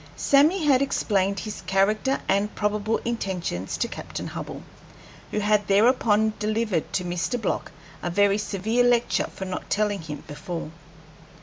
Sammy had explained his character and probable intentions to Captain Hubbell, who had thereupon delivered to Mr. Block a very severe lecture for not telling him before.